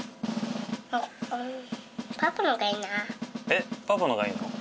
えっパパのがいいの？